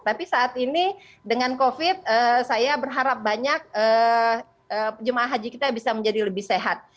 tapi saat ini dengan covid saya berharap banyak jemaah haji kita bisa menjadi lebih sehat